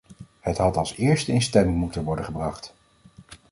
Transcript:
Het had als eerste in stemming moeten worden gebracht.